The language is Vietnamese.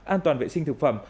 an toàn vệ sinh thực phẩm